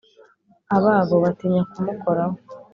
Ababo batinya kumukora ho